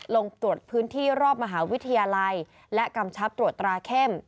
ลงตรวจพื้นที่รอบมหาวิทยาลัยและกำชับตรวจตราเข้ม